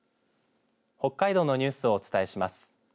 北海道のニュースをお伝えします。